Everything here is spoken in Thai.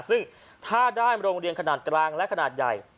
ซึ่งถ้าได้โรงเรียนขนาดกลางและขนาดใหญ่